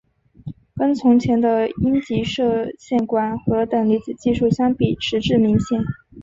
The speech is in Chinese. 跟从前的阴极射线管和等离子技术相比迟滞明显。